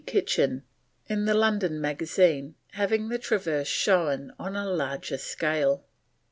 Kitchen in the London Magazine having the Traverse shown on a larger scale.